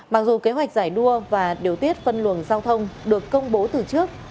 mặc dù kế hoạch giải đua và điều tiết phân luồng giao thông được công bố từ trước